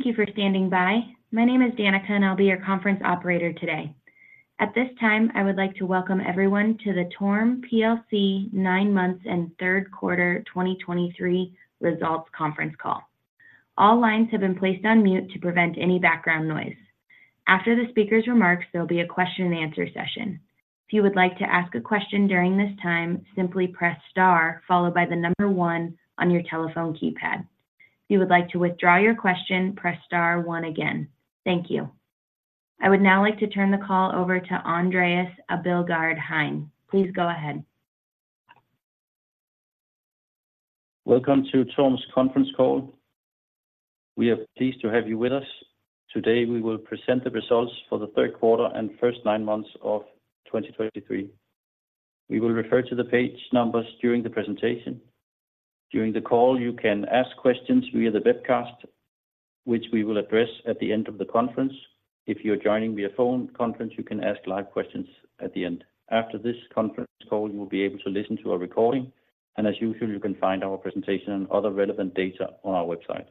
Thank you for standing by. My name is Danica, and I'll be your conference operator today. At this time, I would like to welcome everyone to the TORM plc Nine Months and Third Quarter 2023 Results Conference Call. All lines have been placed on mute to prevent any background noise. After the speaker's remarks, there'll be a question-and-answer session. If you would like to ask a question during this time, simply press star followed by the number one on your telephone keypad. If you would like to withdraw your question, press star one again. Thank you. I would now like to turn the call over to Andreas Abildgaard-Hein. Please go ahead. Welcome to TORM's Conference Call. We are pleased to have you with us. Today, we will present the results for the Third Quarter and First Nine Months of 2023. We will refer to the page numbers during the presentation. During the call, you can ask questions via the webcast, which we will address at the end of the conference. If you are joining via phone conference, you can ask live questions at the end. After this conference call, you will be able to listen to a recording, and as usual, you can find our presentation and other relevant data on our website.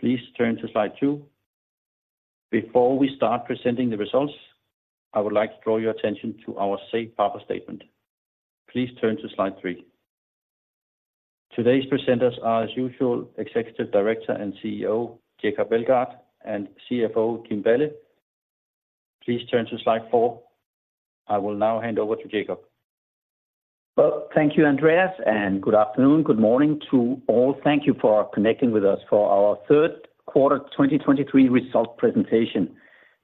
Please turn to slide two. Before we start presenting the results, I would like to draw your attention to our safe harbor statement. Please turn to slide three. Today's presenters are, as usual, Executive Director and CEO, Jacob Meldgaard, and CFO, Kim Balle. Please turn to slide four. I will now hand over to Jacob. Well, thank you, Andreas, and good afternoon, good morning to all. Thank you for connecting with us for our third quarter 2023 result presentation,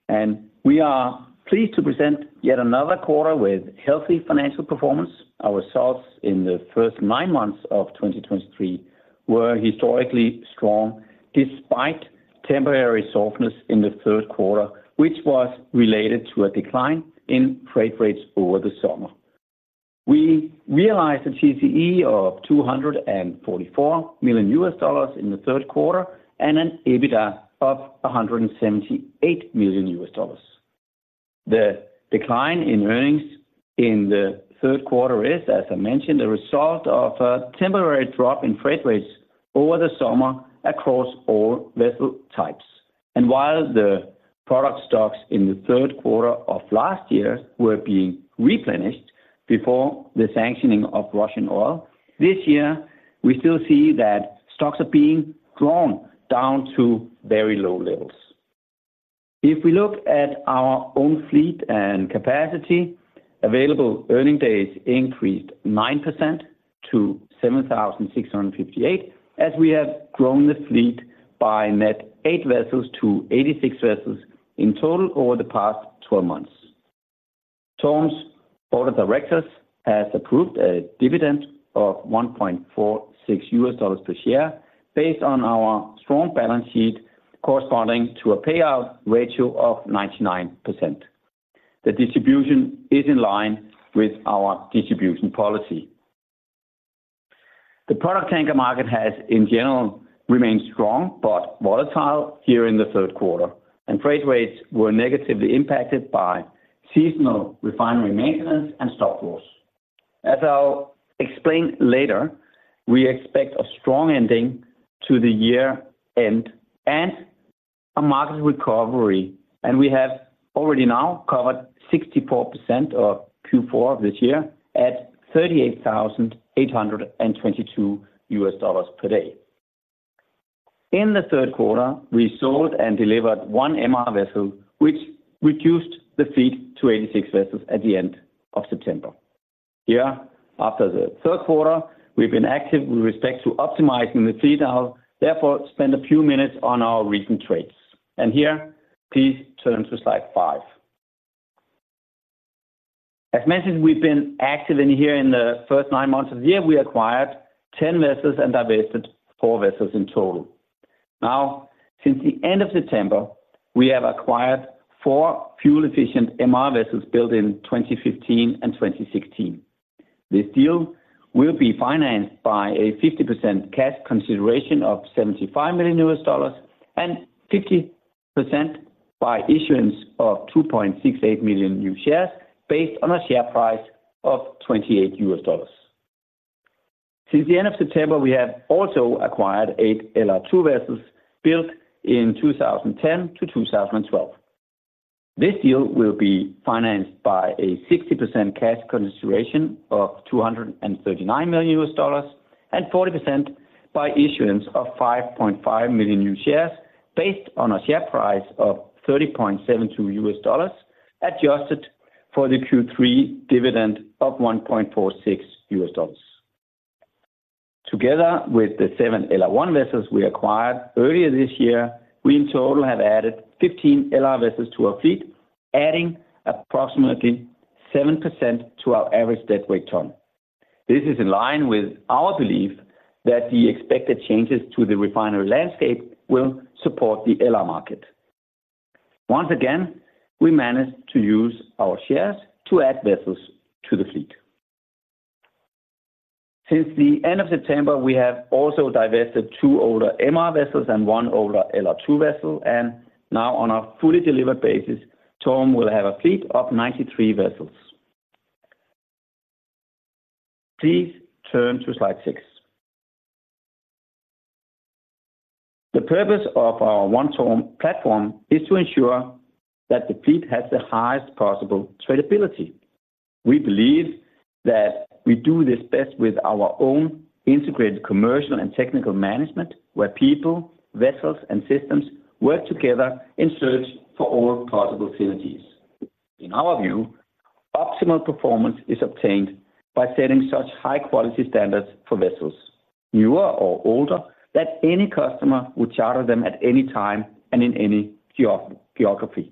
and we are pleased to present yet another quarter with healthy financial performance. Our results in the first nine months of 2023 were historically strong, despite temporary softness in the third quarter, which was related to a decline in freight rates over the summer. We realized a TCE of $244 million in the third quarter and an EBITDA of $178 million. The decline in earnings in the third quarter is, as I mentioned, a result of a temporary drop in freight rates over the summer across all vessel types. And while the product stocks in the third quarter of last year were being replenished before the sanctioning of Russian oil, this year, we still see that stocks are being drawn down to very low levels. If we look at our own fleet and capacity, available earning days increased 9% to 7,658, as we have grown the fleet by net eight vessels to 86 vessels in total over the past 12 months. TORM's of Directors has approved a dividend of $1.46 per share, based on our strong balance sheet, corresponding to a payout ratio of 99%. The distribution is in line with our distribution policy. The product tanker market has, in general, remained strong but volatile here in the third quarter, and freight rates were negatively impacted by seasonal refinery maintenance and stock draws. As I'll explain later, we expect a strong ending to the year end and a market recovery, and we have already now covered 64% of Q4 this year at $38,822 per day. In the third quarter, we sold and delivered one MR vessel, which reduced the fleet to 86 vessels at the end of September. Here, after the third quarter, we've been active with respect to optimizing the fleet. I'll therefore spend a few minutes on our recent trades, and here, please turn to slide five. As mentioned, we've been active in here in the first nine months of the year. We acquired 10 vessels and divested four vessels in total. Now, since the end of September, we have acquired four fuel-efficient MR vessels built in 2015 and 2016. This deal will be financed by a 50% cash consideration of $75 million and 50% by issuance of 2.68 million new shares, based on a share price of $28. Since the end of September, we have also acquired eight LR2 vessels built in 2010-2012. This deal will be financed by a 60% cash consideration of $239 million and 40% by issuance of 5.5 million new shares, based on a share price of $30.72, adjusted for the Q3 dividend of $1.46. Together with the seven LR1 vessels we acquired earlier this year, we in total have added 15 LR vessels to our fleet, adding approximately 7% to our average deadweight ton. This is in line with our belief that the expected changes to the refinery landscape will support the LR market. Once again, we managed to use our shares to add vessels to the fleet. Since the end of September, we have also divested two older MR vessels and one older LR2 vessel, and now on a fully delivered basis, TORM will have a fleet of 93 vessels.... Please turn to slide six. The purpose of our One TORM platform is to ensure that the fleet has the highest possible tradability. We believe that we do this best with our own integrated commercial and technical management, where people, vessels, and systems work together in search for all possible synergies. In our view, optimal performance is obtained by setting such high quality standards for vessels, newer or older, that any customer would charter them at any time and in any geography.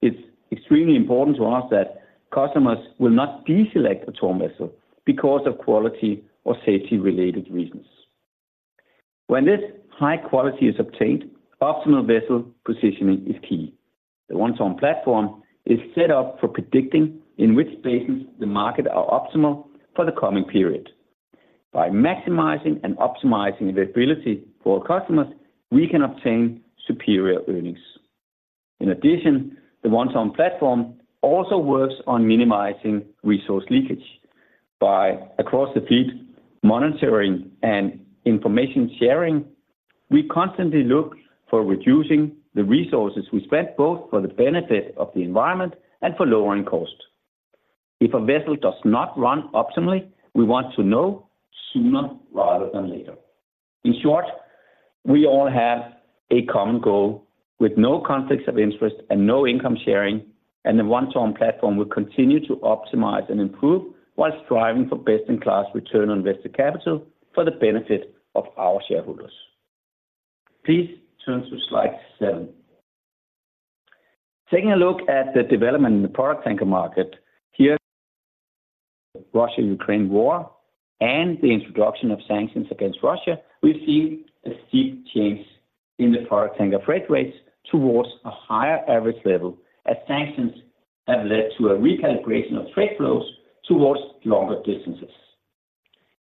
It's extremely important to us that customers will not deselect a TORM vessel because of quality or safety-related reasons. When this high quality is obtained, optimal vessel positioning is key. The One TORM platform is set up for predicting in which basins the market are optimal for the coming period. By maximizing and optimizing availability for our customers, we can obtain superior earnings. In addition, the One TORM platform also works on minimizing resource leakage. By across the fleet, monitoring and information sharing, we constantly look for reducing the resources we spend, both for the benefit of the environment and for lowering costs. If a vessel does not run optimally, we want to know sooner rather than later. In short, we all have a common goal with no conflicts of interest and no income sharing, and the One TORM platform will continue to optimize and improve while striving for best-in-class return on invested capital for the benefit of our shareholders. Please turn to slide seven. Taking a look at the development in the product tanker market, here, Russia-Ukraine war and the introduction of sanctions against Russia, we've seen a steep change in the product tanker freight rates towards a higher average level, as sanctions have led to a recalibration of trade flows towards longer distances.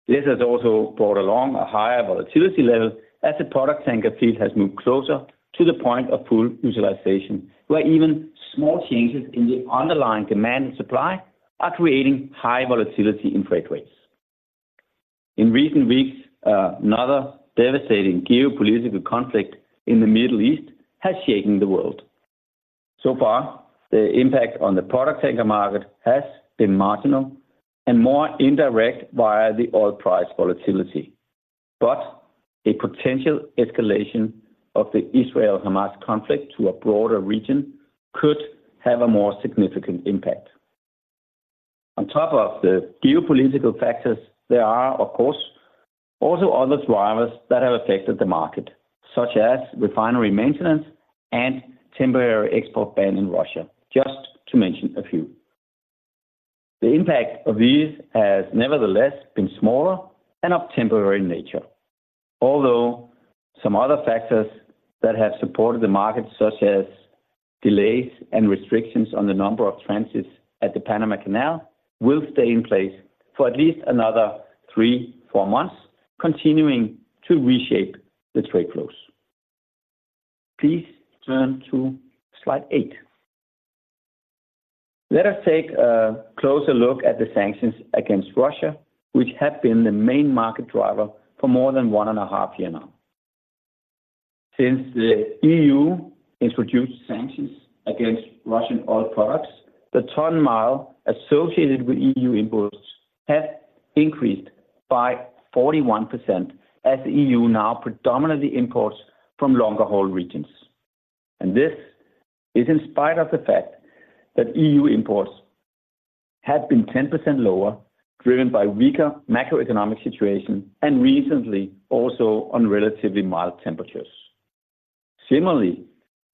This has also brought along a higher volatility level as the product tanker fleet has moved closer to the point of full utilization, where even small changes in the underlying demand and supply are creating high volatility in freight rates. In recent weeks, another devastating geopolitical conflict in the Middle East has shaken the world. So far, the impact on the product tanker market has been marginal and more indirect via the oil price volatility, but a potential escalation of the Israel-Hamas conflict to a broader region could have a more significant impact. On top of the geopolitical factors, there are, of course, also other drivers that have affected the market, such as refinery maintenance and temporary export ban in Russia, just to mention a few. The impact of these has nevertheless been smaller and of temporary nature, although some other factors that have supported the market, such as delays and restrictions on the number of transits at the Panama Canal, will stay in place for at least another three to four months, continuing to reshape the trade flows. Please turn to slide eight. Let us take a closer look at the sanctions against Russia, which have been the main market driver for more than one and a half year now. Since the EU introduced sanctions against Russian oil products, the ton mile associated with EU imports has increased by 41%, as the EU now predominantly imports from longer haul regions. This is in spite of the fact that EU imports have been 10% lower, driven by weaker macroeconomic situation and recently, also on relatively mild temperatures. Similarly,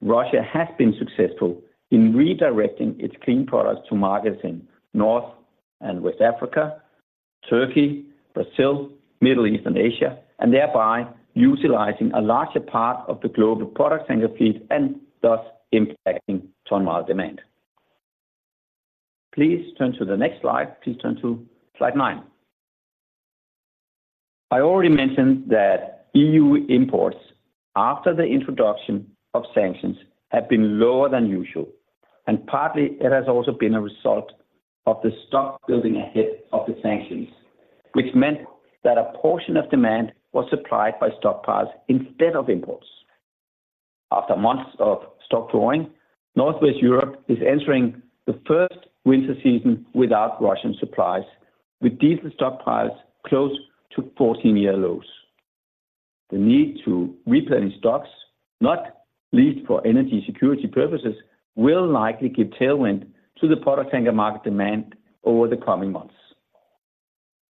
Russia has been successful in redirecting its clean products to markets in North and West Africa, Turkey, Brazil, Middle East, and Asia, and thereby utilizing a larger part of the global product tanker fleet and thus impacting ton mile demand. Please turn to the next slide. Please turn to slide nine. I already mentioned that EU imports, after the introduction of sanctions, have been lower than usual, and partly it has also been a result of the stock building ahead of the sanctions, which meant that a portion of demand was supplied by stockpiles instead of imports. After months of stock drawing, Northwest Europe is entering the first winter season without Russian supplies, with diesel stockpiles close to 14-year lows. The need to replenish stocks, not least for energy security purposes, will likely give tailwind to the product tanker market demand over the coming months.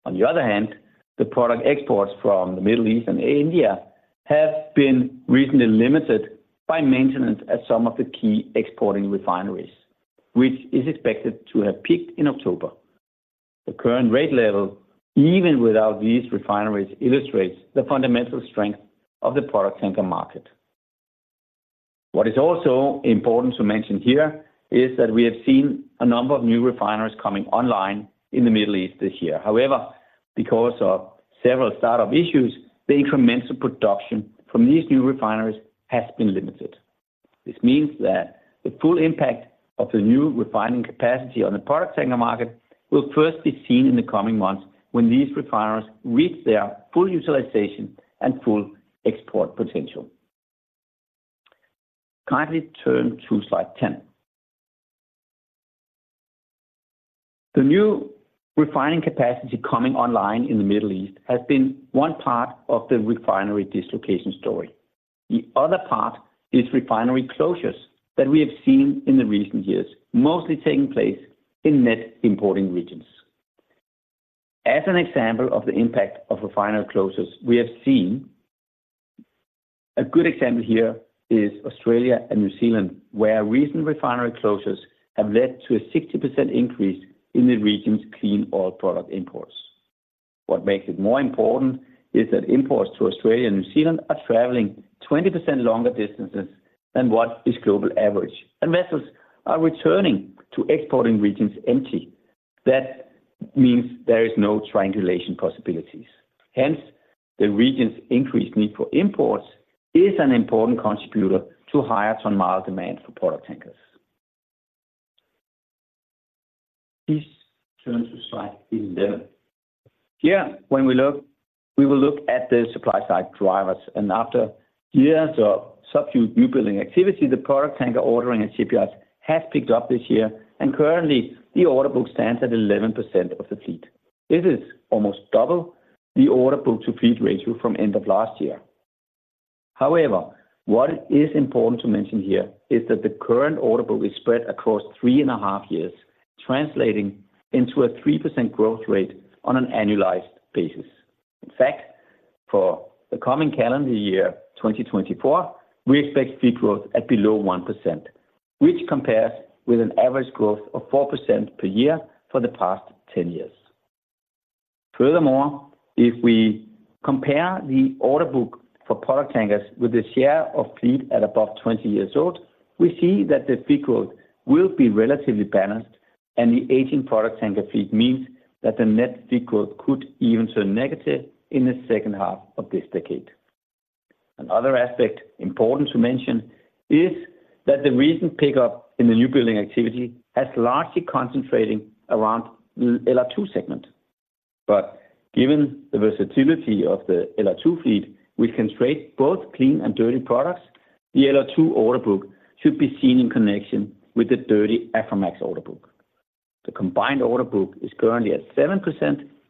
On the other hand, the product exports from the Middle East and India have been recently limited by maintenance at some of the key exporting refineries, which is expected to have peaked in October. The current rate level, even without these refineries, illustrates the fundamental strength of the product tanker market. What is also important to mention here is that we have seen a number of new refineries coming online in the Middle East this year. However, because of several startup issues, the incremental production from these new refineries has been limited. This means that the full impact of the new refining capacity on the product tanker market will first be seen in the coming months when these refiners reach their full utilization and full export potential. Kindly turn to slide 10. The new refining capacity coming online in the Middle East has been one part of the refinery dislocation story. The other part is refinery closures that we have seen in the recent years, mostly taking place in net importing regions. As an example of the impact of refinery closures, we have seen a good example here is Australia and New Zealand, where recent refinery closures have led to a 60% increase in the region's clean oil product imports. What makes it more important is that imports to Australia and New Zealand are traveling 20% longer distances than what is global average, and vessels are returning to exporting regions empty. That means there is no triangulation possibilities. Hence, the region's increased need for imports is an important contributor to higher ton mile demand for product tankers. Please turn to slide 11. Here, when we look, we will look at the supply side drivers, and after years of subdued newbuilding activity, the product tanker ordering at shipyards has picked up this year, and currently, the order book stands at 11% of the fleet. This is almost double the order book to fleet ratio from end of last year. However, what is important to mention here is that the current order book is spread across three and a half years, translating into a 3% growth rate on an annualized basis. In fact, for the coming calendar year, 2024, we expect fleet growth at below 1%, which compares with an average growth of 4% per year for the past 10 years. Furthermore, if we compare the order book for product tankers with the share of fleet at above 20 years old, we see that the fleet growth will be relatively balanced, and the aging product tanker fleet means that the net fleet growth could even turn negative in the second half of this decade. Another aspect important to mention is that the recent pickup in the new building activity has largely concentrating around the LR2 segment. But given the versatility of the LR2 fleet, which can trade both clean and dirty products, the LR2 order book should be seen in connection with the dirty Aframax order book. The combined order book is currently at 7%,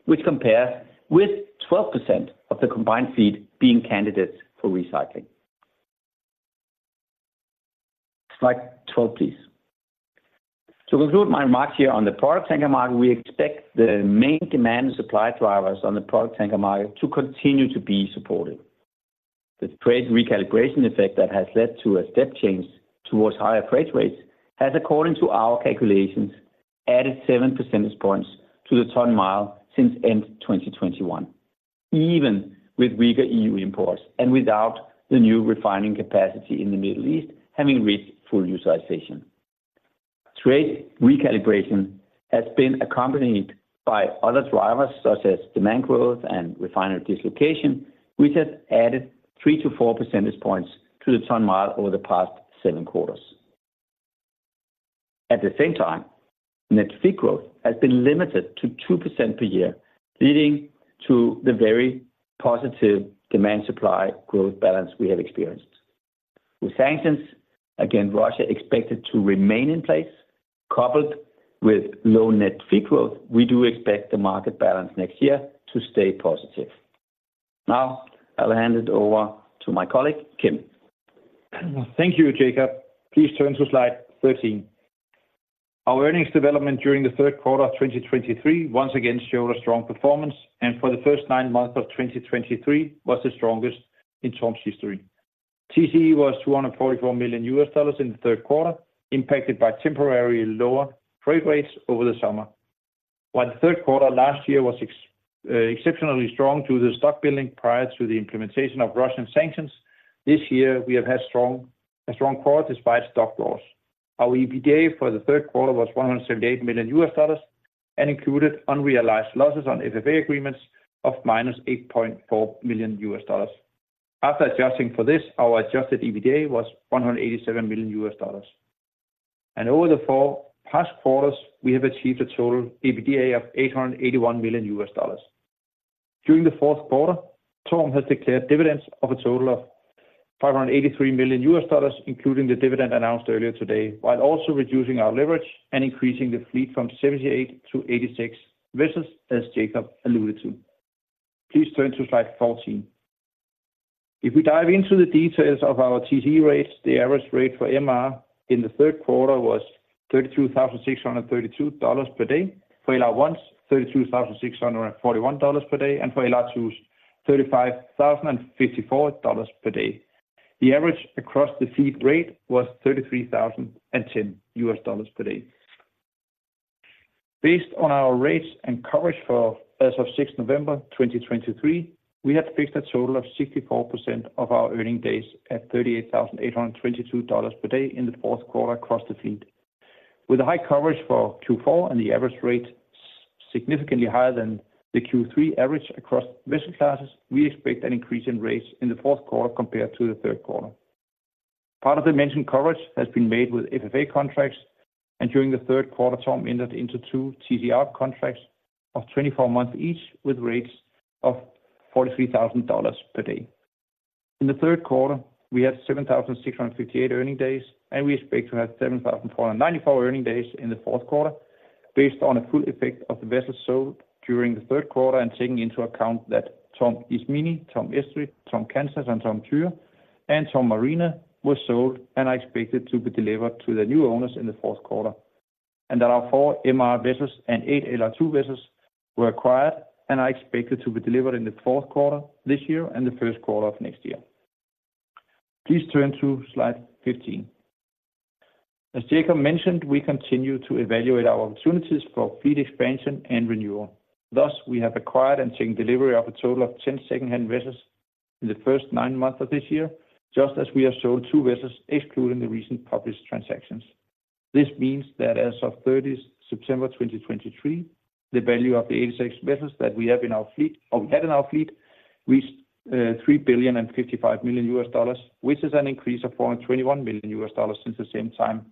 which compares with 12% of the combined fleet being candidates for recycling. Slide 12, please. To conclude my remarks here on the product tanker market, we expect the main demand and supply drivers on the product tanker market to continue to be supportive. The trade recalibration effect that has led to a step change towards higher freight rates has, according to our calculations, added 7 percentage points to the ton mile since end 2021, even with weaker EU imports and without the new refining capacity in the Middle East having reached full utilization. Trade recalibration has been accompanied by other drivers, such as demand growth and refinery dislocation, which has added 3-4 percentage points to the ton mile over the past seven quarters. At the same time, net fleet growth has been limited to 2% per year, leading to the very positive demand-supply growth balance we have experienced. With sanctions against Russia expected to remain in place, coupled with low net fleet growth, we do expect the market balance next year to stay positive. Now, I'll hand it over to my colleague, Kim. Thank you, Jacob. Please turn to slide 13. Our earnings development during the third quarter of 2023 once again showed a strong performance, and for the first nine months of 2023 was the strongest in TORM's history. TCE was $244 million in the third quarter, impacted by temporarily lower freight rates over the summer. While the third quarter last year was exceptionally strong due to the stock building prior to the implementation of Russian sanctions, this year we have had strong, a strong quarter despite stock draws. Our EBITDA for the third quarter was $178 million and included unrealized losses on FFA agreements of -$8.4 million. After adjusting for this, our Adjusted EBITDA was $187 million. Over the past four quarters, we have achieved a total EBITDA of $881 million. During the fourth quarter, TORM has declared dividends of a total of $583 million, including the dividend announced earlier today, while also reducing our leverage and increasing the fleet from 78-86 vessels, as Jacob alluded to. Please turn to slide 14. If we dive into the details of our TCE rates, the average rate for MR in the third quarter was $32,632 per day, for LR1s, $32,641 per day, and for LR2s, $35,054 per day. The average across the fleet rate was $33,010 per day. Based on our rates and coverage as of 6 November 2023, we had fixed a total of 64% of our earning days at $38,822 per day in the fourth quarter across the fleet. With a high coverage for Q4 and the average rate significantly higher than the Q3 average across vessel classes, we expect an increase in rates in the fourth quarter compared to the third quarter. Part of the mentioned coverage has been made with FFA contracts, and during the third quarter, TORM entered into two TC contracts of 24 months each, with rates of $43,000 per day. In the third quarter, we had 7,658 earning days, and we expect to have 7,494 earning days in the fourth quarter, based on a full effect of the vessels sold during the third quarter, and taking into account that TORM Ismini, TORM Estrid, TORM Kansas, and TORM Tyr, and TORM Marina were sold and are expected to be delivered to their new owners in the fourth quarter. And that our four MR vessels and eight LR2 vessels were acquired and are expected to be delivered in the fourth quarter this year and the first quarter of next year. Please turn to slide 15. As Jacob mentioned, we continue to evaluate our opportunities for fleet expansion and renewal. Thus, we have acquired and taken delivery of a total of 10 secondhand vessels in the first nine months of this year, just as we have sold two vessels, excluding the recent published transactions. This means that as of 30th September 2023, the value of the 86 vessels that we have in our fleet, or we had in our fleet, reached $3.055 billion, which is an increase of $421 million since the same time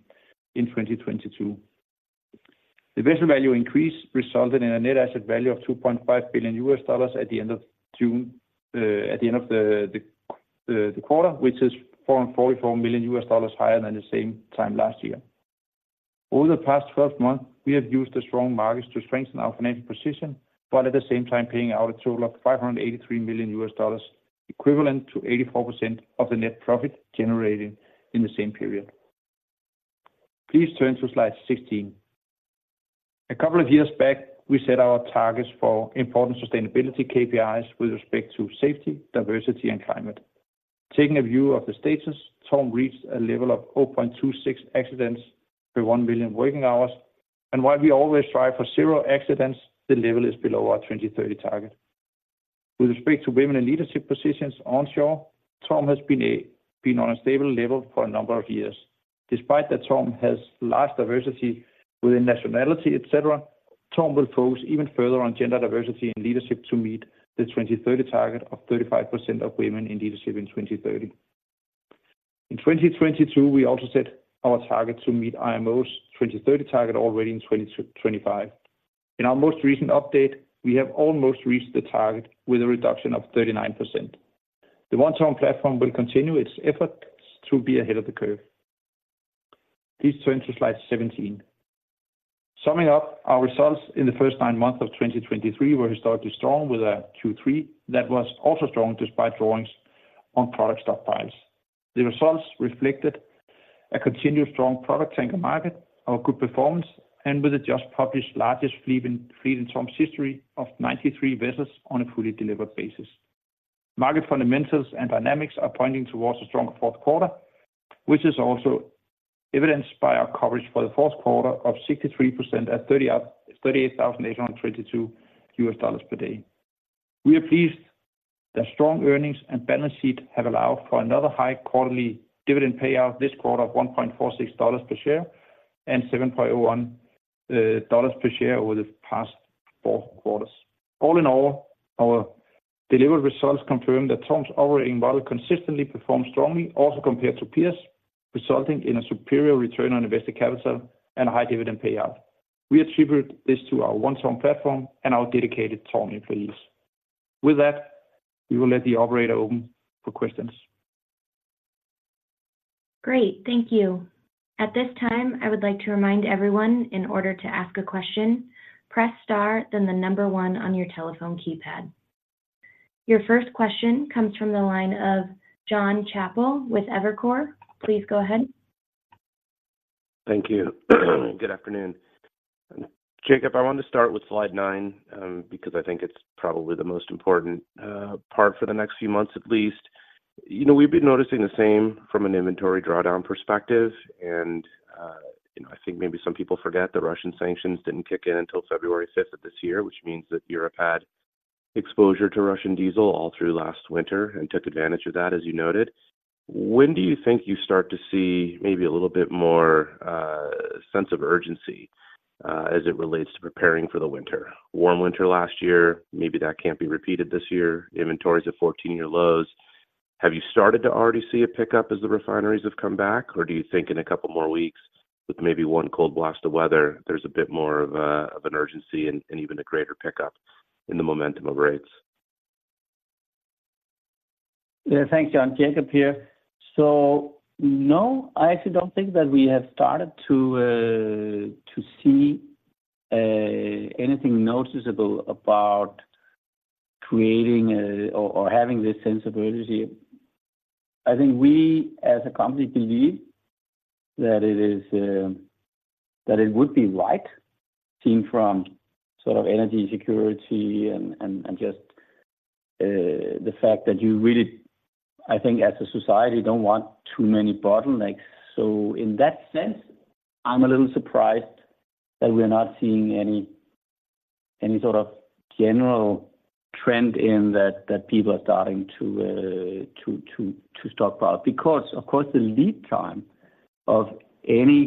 in 2022. The vessel value increase resulted in a Net Asset Value of $2.5 billion at the end of June, at the end of the quarter, which is $444 million higher than the same time last year. Over the past 12 months, we have used the strong markets to strengthen our financial position, while at the same time paying out a total of $583 million, equivalent to 84% of the net profit generated in the same period. Please turn to slide 16. A couple of years back, we set our targets for important sustainability KPIs with respect to safety, diversity, and climate. Taking a view of the status, TORM reached a level of 0.26 accidents per 1 million working hours, and while we always strive for zero accidents, the level is below our 2030 target. With respect to women in leadership positions onshore, TORM has been on a stable level for a number of years. Despite that TORM has large diversity within nationality, et cetera, TORM will focus even further on gender diversity and leadership to meet the 2030 target of 35% of women in leadership in 2030. In 2022, we also set our target to meet IMO's 2030 target already in 2025. In our most recent update, we have almost reached the target with a reduction of 39%. The One TORM platform will continue its efforts to be ahead of the curve. Please turn to slide 17. Summing up, our results in the first nine months of 2023 were historically strong, with a Q3 that was also strong, despite drawings on product stockpiles. The results reflected a continued strong product tanker market, our good performance, and with the just published largest fleet in TORM's history of 93 vessels on a fully delivered basis. Market fundamentals and dynamics are pointing towards a stronger fourth quarter, which is also evidenced by our coverage for the fourth quarter of 63% at 30 up, $38,822 per day. We are pleased that strong earnings and balance sheet have allowed for another high quarterly dividend payout this quarter of $1.46 per share, and $7.01 per share over the past four quarters. All in all, our delivered results confirm that TORM's operating model consistently performs strongly, also compared to peers, resulting in a superior return on invested capital and a high dividend payout. We attribute this to our One TORM platform and our dedicated TORM employees. With that, we will let the operator open for questions. Great, thank you. At this time, I would like to remind everyone, in order to ask a question, press star, then the number one on your telephone keypad. Your first question comes from the line of Jon Chappell with Evercore. Please go ahead. Thank you. Good afternoon. Jacob, I want to start with slide nine, because I think it's probably the most important part for the next few months, at least. You know, we've been noticing the same from an inventory drawdown perspective, and, you know, I think maybe some people forget the Russian sanctions didn't kick in until February 5th of this year, which means that Europe had exposure to Russian diesel all through last winter and took advantage of that, as you noted. When do you think you start to see maybe a little bit more sense of urgency as it relates to preparing for the winter? Warm winter last year, maybe that can't be repeated this year. Inventories at 14-year lows. Have you started to already see a pickup as the refineries have come back, or do you think in a couple more weeks, with maybe one cold blast of weather, there's a bit more of an urgency and even a greater pickup in the momentum of rates? Yeah. Thanks, Jon. Jacob here. So, no, I actually don't think that we have started to see anything noticeable about creating a, or having this sense of urgency. I think we, as a company, believe that it is that it would be right, seeing from sort of energy security and, and just the fact that you really, I think as a society, don't want too many bottlenecks. So in that sense, I'm a little surprised that we're not seeing any sort of general trend in that that people are starting to stock up. Because, of course, the lead time-... of any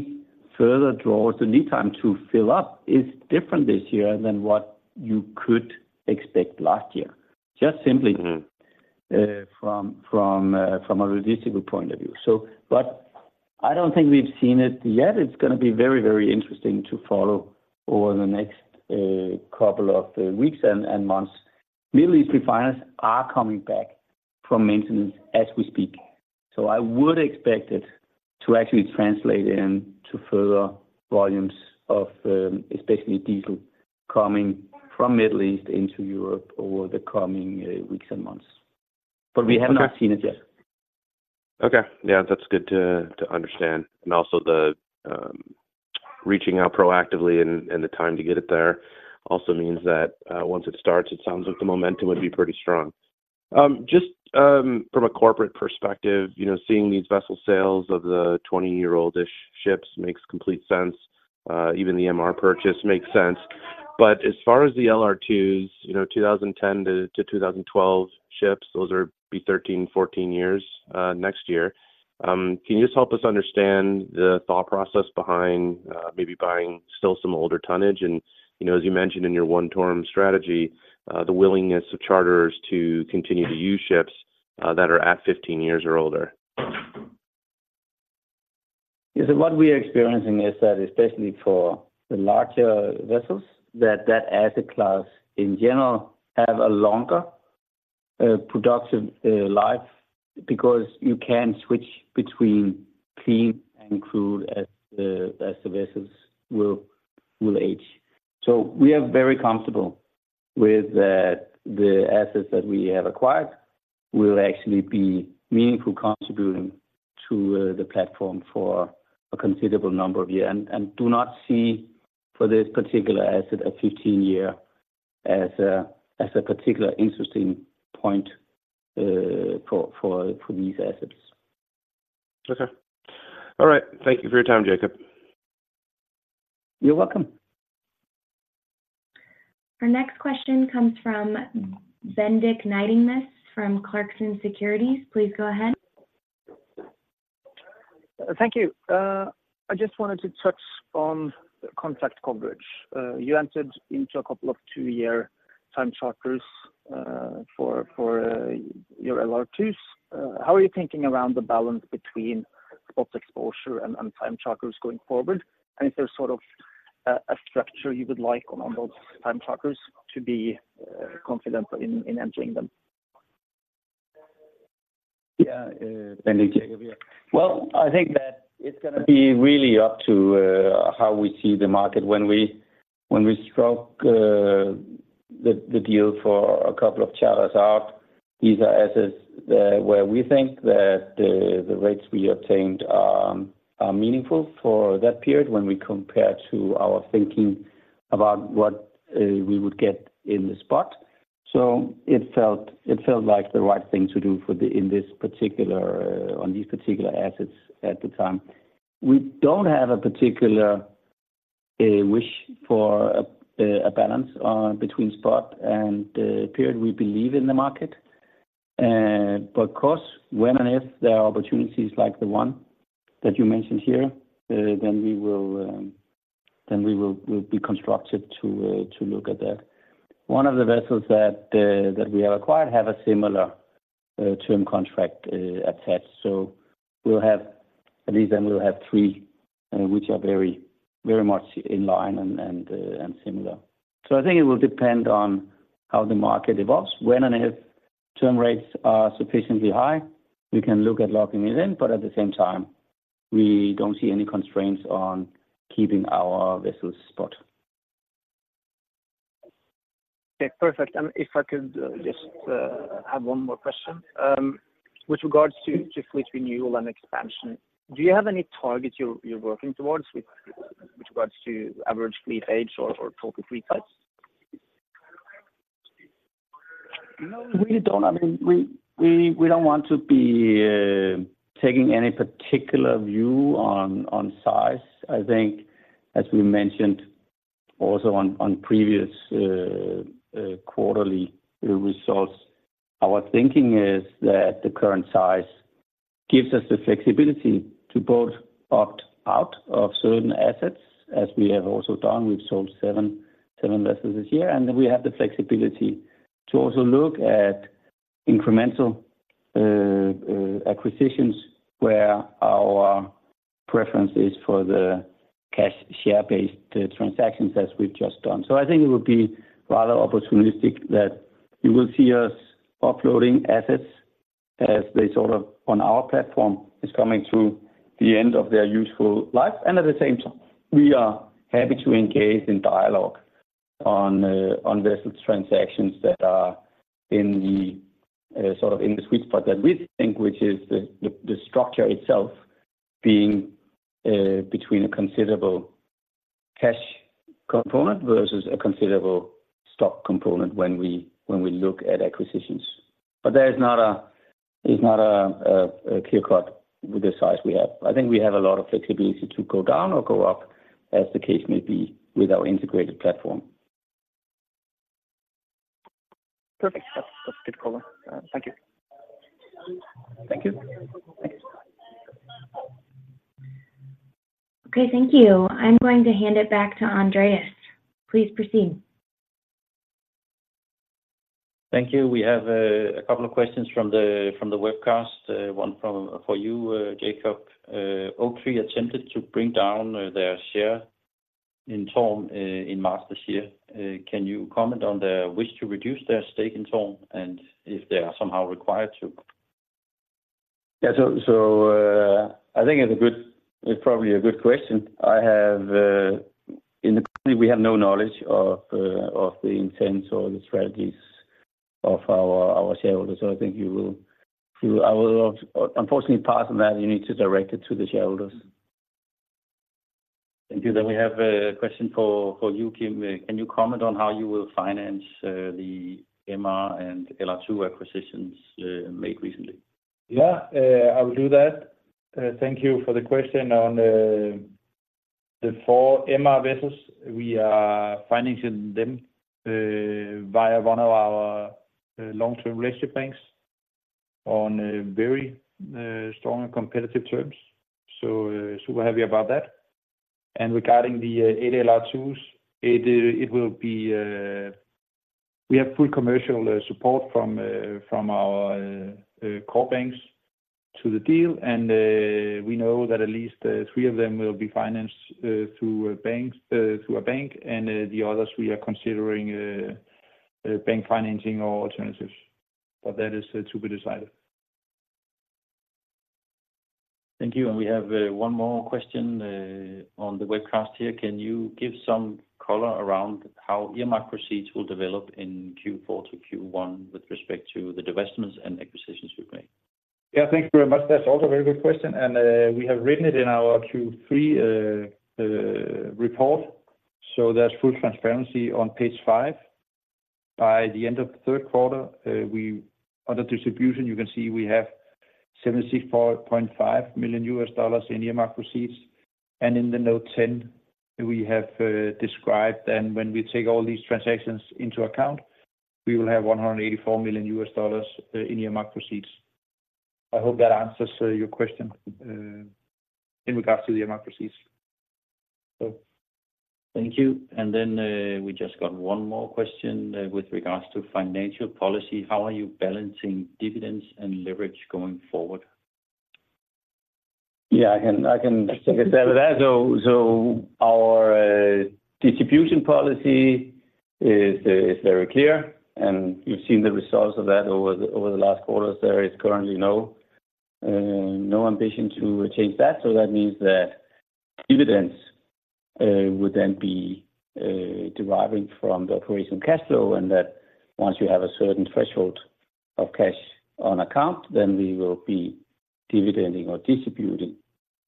further draws, the lead time to fill up is different this year than what you could expect last year, just simply- Mm-hmm. From a realistic point of view. But I don't think we've seen it yet. It's going to be very, very interesting to follow over the next couple of weeks and months. Middle East refiners are coming back from maintenance as we speak, so I would expect it to actually translate into further volumes of, especially diesel coming from Middle East into Europe over the coming weeks and months. But we haven't seen it yet. Okay. Yeah, that's good to understand. And also the reaching out proactively and the time to get it there also means that once it starts, it sounds like the momentum would be pretty strong. Just from a corporate perspective, you know, seeing these vessel sales of the 20-year-old-ish ships makes complete sense. Even the MR purchase makes sense. But as far as the LR2s, you know, 2010-2012 ships, those are be 13, 14 years next year. Can you just help us understand the thought process behind maybe buying still some older tonnage? And, you know, as you mentioned in your One TORM strategy, the willingness of charters to continue to use ships that are at 15 years or older. Yeah, so what we are experiencing is that, especially for the larger vessels, that that asset class in general have a longer, productive, life, because you can switch between clean and crude as the, as the vessels will, will age. So we are very comfortable with that. The assets that we have acquired will actually be meaningful, contributing to, the platform for a considerable number of years, and, and do not see for this particular asset, a 15-year as a, as a particular interesting point, for, for, for these assets. Okay. All right. Thank you for your time, Jacob. You're welcome. Our next question comes from Bendik Nyttingnes from Clarksons Securities. Please go ahead. Thank you. I just wanted to touch on contract coverage. You entered into a couple of two year time charters for your LR2s. How are you thinking around the balance between spot exposure and time charters going forward? And is there sort of a structure you would like on those time charters to be confident in entering them? Yeah, Bendik, Jacob here. Well, I think that it's going to be really up to how we see the market when we stroke the deal for a couple of charters out. These are assets that where we think that the rates we obtained are meaningful for that period when we compare to our thinking about what we would get in the spot. So it felt like the right thing to do for the, in this particular, on these particular assets at the time. We don't have a particular wish for a balance between spot and the period. We believe in the market. But of course, when and if there are opportunities like the one that you mentioned here, then we will be constructive to look at that. One of the vessels that we have acquired have a similar term contract attached. So we'll have, at least then we'll have three which are very, very much in line and similar. So I think it will depend on how the market evolves. When and if term rates are sufficiently high, we can look at locking it in, but at the same time, we don't see any constraints on keeping our vessels spot. Okay, perfect. And if I could just have one more question. With regards to fleet renewal and expansion, do you have any targets you're working towards with regards to average fleet age or total fleet size? No, we don't. I mean, we don't want to be taking any particular view on size. I think as we mentioned also on previous quarterly results, our thinking is that the current size gives us the flexibility to both opt out of certain assets, as we have also done. We've sold seven vessels this year, and then we have the flexibility to also look at incremental acquisitions, where our preference is for the cash share-based transactions as we've just done. So I think it would be rather opportunistic that you will see us offloading assets as they sort of on our platform is coming to the end of their useful life. At the same time, we are happy to engage in dialogue on vessels transactions that are in the sort of sweet spot that we think, which is the structure itself being between a considerable cash component versus a considerable stock component when we look at acquisitions. But there is not a clear cut with the size we have. I think we have a lot of flexibility to go down or go up, as the case may be, with our integrated platform.... Perfect. That's, that's good color. Thank you. Thank you. Thank you. Okay, thank you. I'm going to hand it back to Andreas. Please proceed. Thank you. We have a couple of questions from the webcast. One for you, Jacob. Oaktree attempted to bring down their share in TORM in March this year. Can you comment on their wish to reduce their stake in TORM, and if they are somehow required to? Yeah. So, I think it's probably a good question. I have, in the company, we have no knowledge of the intents or the strategies of our shareholders. So I think I will, unfortunately, apart from that, you need to direct it to the shareholders. Thank you. Then we have a question for you, Kim. Can you comment on how you will finance the MR and LR2 acquisitions made recently? Yeah, I will do that. Thank you for the question on the four MR vessels. We are financing them via one of our long-term relationship banks on very strong and competitive terms, so super happy about that. And regarding the eight LR2s, it will be we have full commercial support from our core banks to the deal. And we know that at least three of them will be financed through banks, through a bank, and the others, we are considering bank financing or alternatives, but that is to be decided. Thank you. And we have one more question on the webcast here. Can you give some color around how earmarked proceeds will develop in Q4-Q1 with respect to the divestments and acquisitions you've made? Yeah, thank you very much. That's also a very good question, and, we have written it in our Q3 report, so there's full transparency on page five. By the end of the third quarter, we under distribution, you can see we have $74.5 million in earmarked proceeds. And in note 10, we have described, and when we take all these transactions into account, we will have $184 million in earmarked proceeds. I hope that answers your question in regards to the earmarked proceeds. Thank you. And then, we just got one more question, with regards to financial policy. How are you balancing dividends and leverage going forward? Yeah, I can, I can take a stab at that. So, so our distribution policy is, is very clear, and you've seen the results of that over the, over the last quarters. There is currently no ambition to change that. So that means that dividends would then be deriving from the operating cash flow, and that once you have a certain threshold of cash on account, then we will be dividending or distributing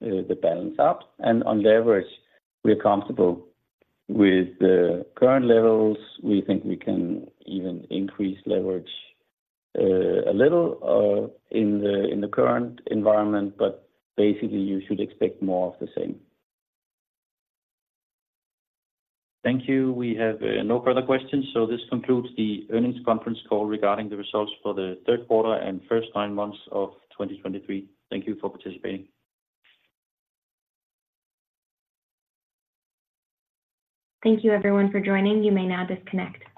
the balance out. And on leverage, we're comfortable with the current levels. We think we can even increase leverage a little in the, in the current environment, but basically, you should expect more of the same. Thank you. We have no further questions, so this concludes the earnings conference call regarding the results for the third quarter and first nine months of 2023. Thank you for participating. Thank you, everyone, for joining. You may now disconnect.